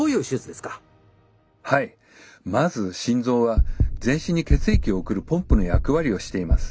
まず心臓は全身に血液を送るポンプの役割をしています。